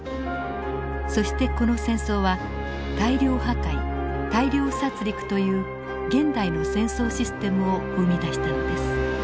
そしてこの戦争は大量破壊大量殺戮という現代の戦争システムを生み出したのです。